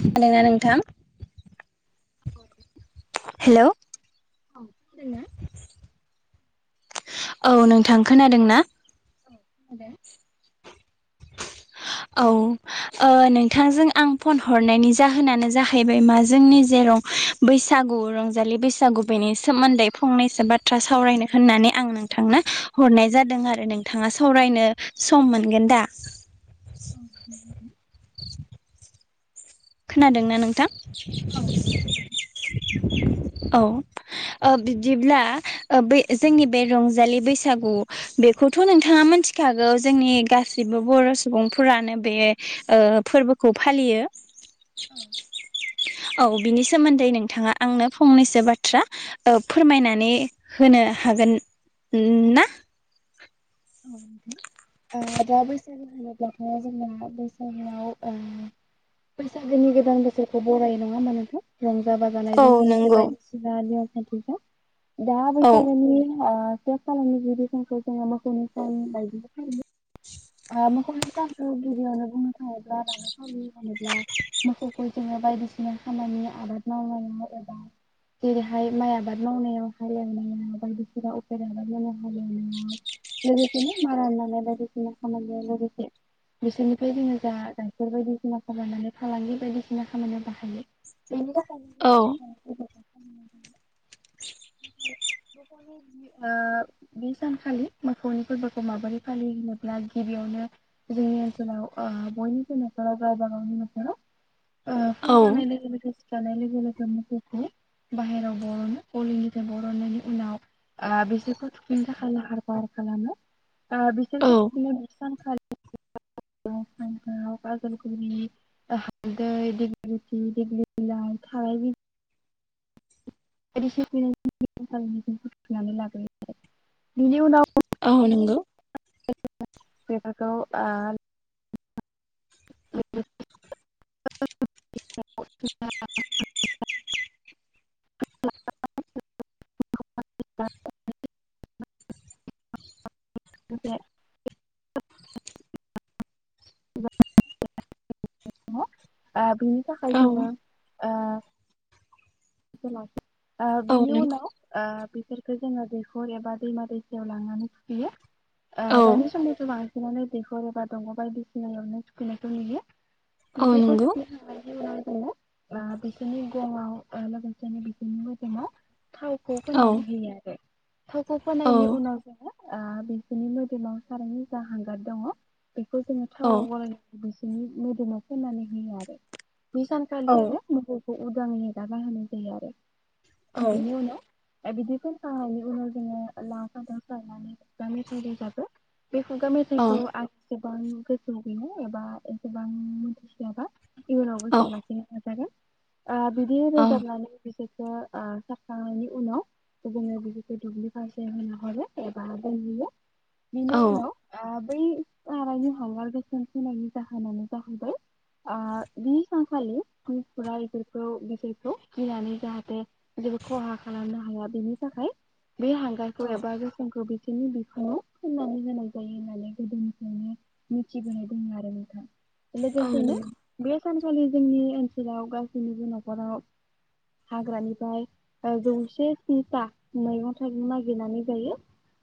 खोनादों ना नोंथां? [unintelligible] हेलौ औ खोदों ना? औ नोंथां खोनादों ना? औ खोनादों [unintelligible] औ ओ नोंथांजों आं फन हरनायनि जाहोनानो जाहैबाय मा जोंनि जे बैसागु रंजालि बैसागु बेनि सोमोन्दै फंनैसो बाथ्रा सावरायनो होननानै आं आं नोंथांनो हरनाय जादों आरो नोंथाङा सावरायनो सम मोनगोन दा? औ, मोनगोन। [inaudible] खोनादोंना नोंथां? औ, खोनादों। औ ओ बिदिब्ला ओ बै जोंनि बे रंजालि बैसागु बे खौथ' नोंथाङा मिथिखागौ जोंनि गासिबो बर' सुबुंफोरानो बे ओ फोरबो खौ फालियो। औ औ बिनि सोमोन्दै नोंथाङा आंनो फंनैसो बाथ्रा ओ फोरमायनानै होनो हागोन ना? औ नोंथां। ओ दा बैसागु होनोब्लाथ' जोंना बैसागुआव ओ बैसागोनि गोदान बोसोरखौ बरायो नङा होमबा नोंथां? औ रंजा-बाजानायजों लोगोसे नंगौ बायदिसिना नियम-खान्थिफ्रा दा औ बैसागोनि ओ संक्रान्थिनि दिनखौ जों मोसौनि सान बायदियै फालियो ओ‌ मो सानखौ गिबियावनो बुंनो थाङोब्ला होनोब मोसौखौ जोङो बायदिसिना खामानि आबाद मावनायाव एबा जेरैहाय माइ आबाद मावनायाव, हालेवनायाव बायदिसिना उफेरा आबाद मावनायाव हालेवनायाव लोगोसेनो मारा नानाय बायदिसिना खामानियाव लोगोसे बिसोरनिफ्राय जोङो जा गाइखेर बायदिसिना खामायनानै फालांगि बायदिसिना खामानियाव बाहायो बेनि थाखायनो औ [unintelligible] [inaudible] मोसौनि ओ बे सानखालि मोसौनि फोरबोखौ माबोरै फालियो होनोब्ला गिबियावनो जोंनि ओनसोलाव ओ बयनिबो नख'राव गावबा गावनि न'खराव ओ फुं औ जानाय लोगो लोगो सिखारनाय लोगो लोगो मोसौखौ बाहेरायाव बरनो ग'लि निफ्राय बरननायनि उनाव ओ‌ बिसोरखौ थुखैनो थाखाय लाहार फाहार खालामो। ओ औ बिसोरखौ थुखैनाय बि सानखालि फान्थाव, बाजारगुरि, ओ हालदै, दिगिलिथि, दिग्लि बिलाइ थाराय बि [unintelligible] लाग्रोयो बिनि उनाव औ, नोंगौ। [unintelligible] बेफोरखौ ओ [inaudible] [inaudible] [inaudible] [unintelligible] [unintelligible] ओ बिनि थाखाय औ जोङो ओ ओ औ बिनि नंगौ उनाव ओ बिसोरखौ जोङो दैखर एबा दैमा-दैसायाव लांनानै थुखैयो। औ ओ दानि समावथ' बांसिनानो दैख'र एबा दग' बायदिसिनायावनो थुखैनायखौ नुयो। औ बिसोरखौ नंगौ थुखैखांनायनि उनाव जोङो ओ बिसोरनि गंआव ओ बिसोरनि बिखुं आरो गंआव थावखौ औ फोननानै होयो आरो। थावखौ औ फोनायनि उनाव जोङो ओ बिसोरनि मोदोमाव सारायनि जा हांगार दङ बेखौ जोङो औ थावाव गलायना बिसोरनि मोदोमाव फाननानै होयो आरो बे औ सानखालि आरो मोसौखौ उदाङै एगारना होनाय जायो आरो। औ बेनि उनाव ओ बिदि फोनखांनायनि उनाव जोङो ओ लाव-फान्थाव सारनानै खुगा मेथाइ रोजाबो। बे खुगा औ मेथाइखौ आं एसेबां गोसो गैया एबा एसेबां मोन्थिस्लाबा इयुनाव औ गोसोआव लाांखिनो नाजागोन। ओ बिदि औ रोजाबनानै बिसोर ओ सारखांनायनि उनाव ओ जोङो बिसोरखौ दुब्लि फारसे होना हरो एबा दोनहैयो औ बिनि उनाव आ [unintelligible] हांगार गोसोम होनायनि जाहोनानो जाहैबाय आ बि सानखालि [unintelligible] खौ बेसोरखौ गिनानै जाहाथे जेबो खहा खालामनो हाया बेनि थाखाय बे हांगारखौ नंगौ एबा गोसोम खौ बै सोरनि बिखुङाव फोननानै होनाय जायो होननानै गोदोनिफ्रायनो मिथिबोनाय दं आरो नोंथां लोगोसेनो बे सानखालि जोंनि ओनसोलाव गाव बयनिबो न'खराव हाग्रानिफ्राय ओ जौसे स्निथा मैगं थायगं नागिरनानै जायो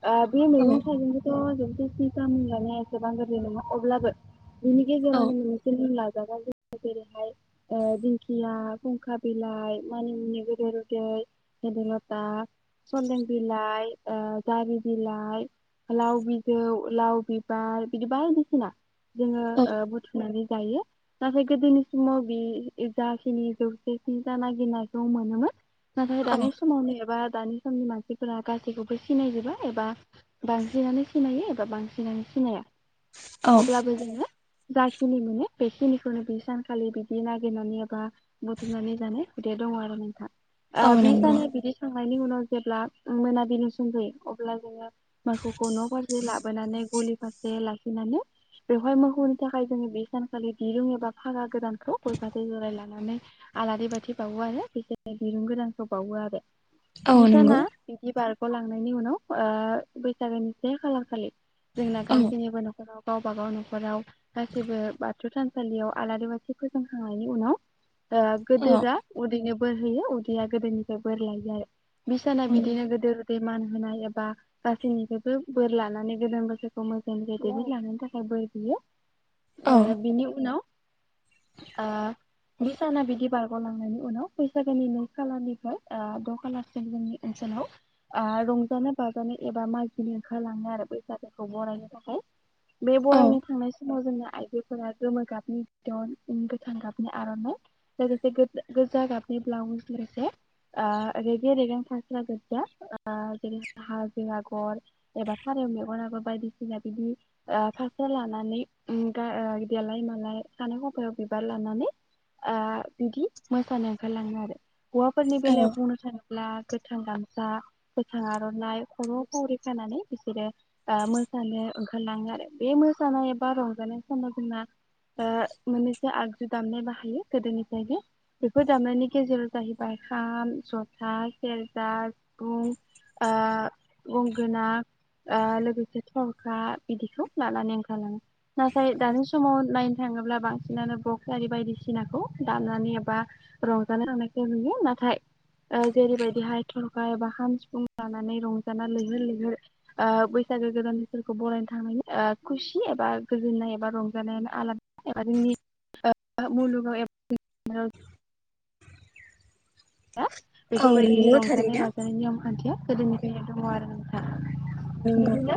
ओ बे मैगं थाइगंखौथ' [unintelligible] लानाया एसेबां गोरलै नङा अब्लाबो बिनि औ गेजेरावनो मोनसे मुं लाजागोन जों जेरैहाय ओ दिं खिया खुंखा बिलाइ मानिमुनि गोदोर उदै भेदे लेता सन्दें बिलाइ ओ जारि बिलाइ लाव बिजौ लाव बिबार बिदिबायदिसिना जोङो औ ओ बुथुमनानै जायो नाथाय गोदोनि समाव बे जाखिनि जौसे स्निता नागिरनायखौ मोनोमोन नाथाय औ दानि समावनो एबा दानि समनि मानसिफोरा गासैखौबो सिनायजोबा एबा बांसिनानो सिनायो एबा बांसिनानो सिनाया औ अब्लाबो जोङो जा खिनि माने बेखिनिखौनो बि सानखालि बिदि नागिरनानै बा बुथुमनानै जानाय हुदाया दङ' आरो नोंथां आ औ बि नंगौ सानाव बिदि सं नायनि उनाव जेब्ला मोनाबिलि सम जायो अब्ला जोङो मोखौखौ न' फारसे लाबोनानै गलि फारसे लाखिनानै बेवहाय मोखौनि थाखाय जोङो बे सानखालि दिरुं एबा फागा गोदानखौ गय फाथै जरा ला नानै आलारि बाथि बावो आरो [unintelligible] दिरुं गोदानखौ बावो आरो औ बि साना नंगौ बिदि बारग'लांनायनि उनाव ओ बैसागोनि से खालार खालि जोंना औ गासैनिबो न'खराव गावबागाव न'खराव गासैबो बाथौ थानसालियाव आलारि बाथि फोजोंखांनायनि उनाव ओ औ गोदोरा उदैनो बोर होयो उदैया गोदोरनिफ्राय बोर लायो आरो बिसाना औ बिदिनो नंगौ गोदोर उदै मान होनाय एबा गासैनिफ्रायबो बोर लानानै गोदान बोसोरखौ मोजाङै मोजां दैदेन लांनायनि थाखाय बोर बियो [inaudible] ओ औ बेनि उनाव ओ बिसाना बिदि बारग'लांनायनि उनाव बैसागोनि नै खालारनिफ्राय ओ द' खालारसिम जोंनि ओनसोलाव [unintelligible] आ रंजानो बाजानो एबा मागिनो ओंखारलाङो आरो बैसागोखौ बरायनो थाखाय बे बरायनो थांनाय समाव जोंना आइजोफोरा गोमो गाबनि बिदन गोथां गाबनि आर'नाइ लोगोसे गो- गोजा गाबनि ब्लाउस लोगोसे आ रेगे रेगां फास्रा गोजा ओ जेरै हाजो आगर एबा फारेव मेगनाबो बायदिसिना बिदि ओ फास्रा लानानै उम गा ओ देलाय मालाय खानाय खफायाव बिबार लानानै आ बिदि मोसानो ओंखारलाङो आरो हौवाफोरनि औ बेलायाव बुंनो थाङो ब्ला गोथां गामसा गोथां आर'नाइ खर'आव फावरि खानानै बिसोरो आ मो‌ सानो ओंखारलाङो आरो बे मोसानाय एबा रंजानाय समाव जोंना ओ मोननैसे आगजु दामनाय बाह यो गोदोनिफ्रायनो बेफोर दामनायनि गेजेराव जाहैबाय खाम जथा सेरजा सिफुं ओ गंगोना ओ लोगोसे थरखा बिदिखौ लानानै ओंखारलाङो नाथाय दानि समाव नायनो थाङो थाङोब्ला बांसिनानो बक्स आरि बायदिसि सिनाखौ दामनानै एबा रंजानो थांनायखौ नुयो नाथाय ओ जेरैबायदिहाय थरखा एबा खाम सिफुं लानानै रंजाना लैहोर लैहोर ओ बैस गो गोदाननिखौ बरायनो थांनायनि खुसि एबा गोजोननाय एबा रंजानायानो आलादा एबा जोंनि ओ मुलुगाव [unintelligible] औ बेफोरबायदि नंगौ थारैनो रंजानाय-बाजानाय नियम खान्थिया गोदोनिफ्रायनो दङ आरो नोंथां नंगौ बिदिनो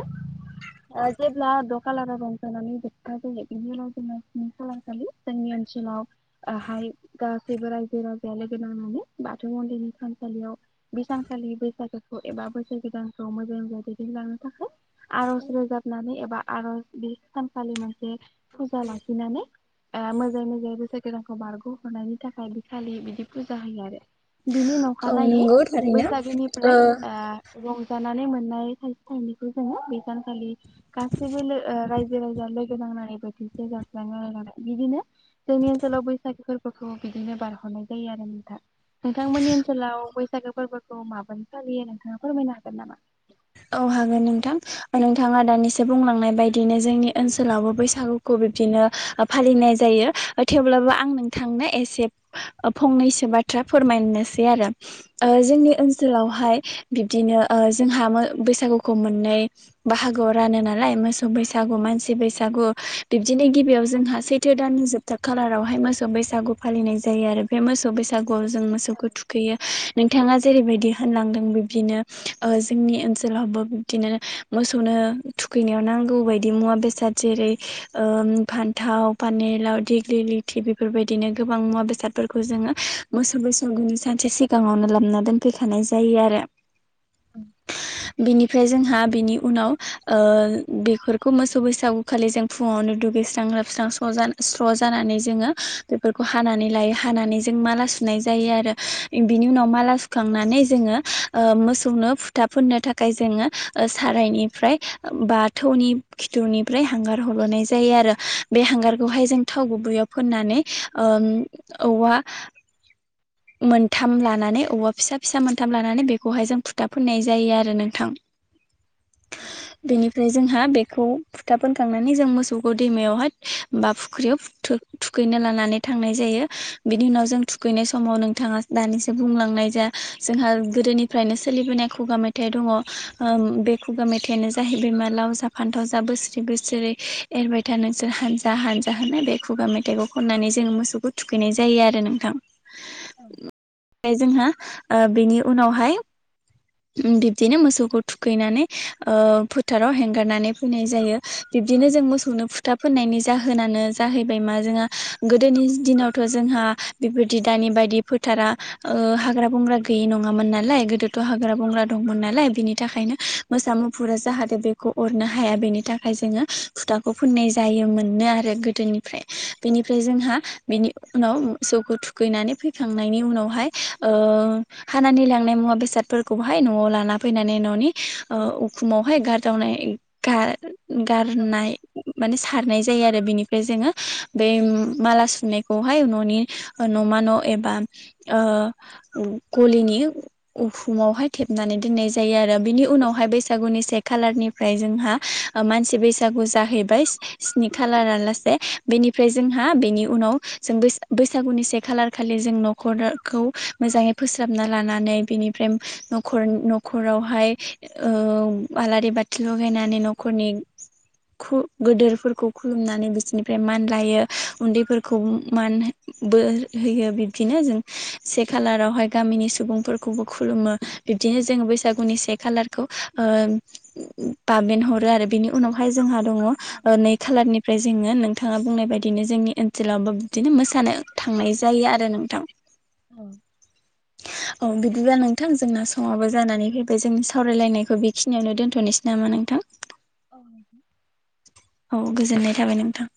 ओ जेब्ला [unintelligible] खालारा दंथनानै जायो बिनि उनाव खालार खालि जोंनि लावहाय गासैबो रायजो राजाया लोगो नांनानै बाथौ मन्दिरनि खामसालियाव बे सानखालि बैसागोखौ एबा बोसोर गोदानखौ मोजां जाहाथे [inaudible] थाखाय आर'ज रोजाबनानै एबा आर'ज बे सानखालि मोनसे फुजा लाखि नानै ओ मोजाङै मोजाङै बोसोर गोदानखौ बारग'हरनायनि थाखाय बिखालि बिदि फुजा होयो आरो बिनि औ नखानायै नंगौ थारैनो बैसागोनिफ्राय ओ आ रंजानानै मो ननाय थाइसे थाइनैखौ जोङो बै सानखालि गासैबो लो ओ राइ जो- राजा लोगो नांनानै बोथिसे जास्राङो आरो बिदिनो जोंनि ओनसोलाव बैसागोफो फोरबोखौ बिदिनो बारहरनाय जायो आरो नोंथां नोंथांमोननि ओनसोलाव बैसागो फोरबोखौ माबोरै फालियो नोंथाङा फोरमायनो हागोन नामा? औ हागोन नोंथां नोंथाङा दानिसो बुंलांनाय बायदिनो जोंनि ओनसोलावबो बैसागुखौ बिदिनो फालिनाय जायो थेवब्लाबो आं नोंथांनो एसे फंनैसो बा बाथ्रा फोरमायनोसै आरो ओ जोंनि ओनसोलावहाय बिब्दिनो ओ जोंहा बैसागुखौ मोननै बाहागोआव रानो नालाय मोसौ बैसागु मानसि बैसागु बिबदि गिबियाव जोंहा सैथो दाननि जोबथा खालारावहाय मोसौ बैसागु फालिनाय जायो आरो बे मोसौ बैसागु आव जों मोसौखौ थुखैयो नोंथाङा जेरैबायदि होनलांदों बिब्दिनो जोंनि ओनसोल लावबो जेरावहाबो बिदिनो मोसौनो थुखैनायाव नांगौ बायदि मुवा बेसाद जेरै ओ फान्थाव पानेलाव देग्लि लिथि बेफोरबायदिनो गोबां मुवा बेसादफोरखौ जोङो मो सौ बैसागुनि सानसे सिगाङावनो लाबोना दोनफैखानाय जायो आरो। औ बिनिफ्राय जोंहा बेनि उनाव ओ बेफोरखौ मोसौ बैसागु खालि जों फुङावनो दुगै गैस्रां लोबस्रां स्र जाना स्र जानानै जोङो बेफोरखौ हानानै लायो हानानै जों माला सुनाय जायो आरो बिनि उनाव माला सुखांनानै जोङो मोसौनो फुथा फोननो थाखाय थाखाय जोङो सारायनिफ्राय बा थौनि खिथुनिफ्राय हांगार हल'नाय जायो आरो बे हांगारखौहाय जों थाव गुबैयाव फोननानै ओम औवा मोनथाम लानानै औवा फिसा फिसा मोनथाम लानानै बेखौहाय जों फुथा फुननाय जायो आरो नोंथां बेनिफ्राय जोंहा बे खौ फुथा फोनखांनानै जों मोसौखौ दैमायावहाय बा फुख्रियाव थुखैनो लानानै थां थांनाय जायो बिनि उनाव जों थुखैनाय सम माव नोंथाङा दानिसो बुंलांनाय जा जोंहा गोदोनिफ्रायनो सोलिबोनाय खुगा मेथाइ दङ बे खुगा मेथाइयानो जाहैबाय मा लाव जा फान्थाव जा बोसोरै बोसोरै एरबाय था नोंसोर हानजा हानजा होननाय बे खुगा मेथाइखौ खननानै जोङो मोसौखौ थुखैनाय जायो आरो नोंथां [inaudible] ओमफ्राय जोंहा बेनि उनावहाय बिब्दिनो मोसौखौ थुखैनानै ओ फोथाराव हें गारनानै फैनाय जायो बिब्दिनो जों मोसौनो फुथा फोननायनि जाहोनानो जाहैबाय मा जोंहा गोदोनि दिनावथ' जोंहा बेफोर बादि दानि बायदि फोथारा हाग्रा-बंग्रा गैयि नङामोन नालाय गोदोथ' हाग्रा -बंग्रा दंमोन नालाय नालाय बिनि थाखायनो मोसा मुफुरा जाहाथे बेखौ अरनो हाया बेनि थाखाय जोङो फुथाखौ फु ननाय जायोमोननो आरो गोदोनिफ्राय बेनिफ्राय जोंहा बेनि उनाव जौ थुखैनानै फैखांनायनि उनावहाय हानानै लांनाय मुवा बेसादफोरखौहाय न'आव लानानै फैनानै न'नि ओ उखुमावहाय गारदावनाय गा गारनाय माने सारनाय जायो आरो बिनिफ्राय जोङो बे माला सुनायखौहाय न'नि न'मा न' एबा ओ गलिनि उखुमावहाय थेबनानै दोननाय जायो आरो बिनि उनावहाय बैसागुनि से खालारनिफ्राय जोंहा मानसि बैसागु जा हैबाय स्नि खालारा लासे बेनिफ्राय जोंहा बेनि उनाव जों बैसा बै बैसागुनि से खालार खालि जों न'खरखौ मोजाङै फोसाबना लानानै बेनिफ्राय खर न'खरावहाय ओ आलारि बाथि लगायनानै न'खरनि गु गोदोरफोरखौ खुलुमनानै बिसोरनिफ्राय मान लायो उन्दैफोरखौ मान बोर होयो बिब्दिनो जों से खालारावहाय गामिनि सुबुंफोरखौबो खुलुमो बिब्दिनो जोङो बैसागुनि से खालारखौ ओ बाबेन हरो आरो बिनि उनावहाय जोंहा दङ ओ नै खालारनिफ्राय जोङो नोंथाङा बुंनाय बायदिनो जोंनि ओनसोलावबो बिदिनो मोसा सानो थांनाय जायो आरो नोंथां। औ। औ बिदिबा नोंथां जोंना सङाबो जानानै फैबाय जोंनि सावरायलायनायखौ बेखिनियावनो दोनथ'नोसै नामा नोंथां? औ गोजोननाय थाबाय नोंथां।